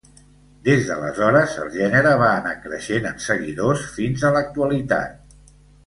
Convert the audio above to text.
Des d'aleshores el gènere va anar creixent en seguidors fins a l'actualitat.